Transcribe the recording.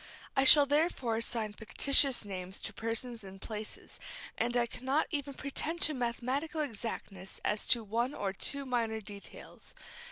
I shall therefore assign fictitious names to persons and places, and I cannot even pretend to mathematical exactness as to one or two minor details.